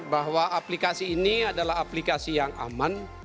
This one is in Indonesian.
bahwa aplikasi ini adalah aplikasi yang aman